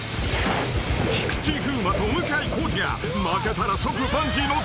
［菊池風磨と向井康二が負けたら即バンジーのドッキリゲームに］